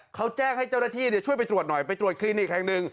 เขาแจ้งให้เจ้าหน้าที่ช่วยไปตรวจหน่อยไปตรวจคลินิกแห่งหนึ่ง